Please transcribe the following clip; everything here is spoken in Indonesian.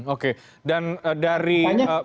oke dan dari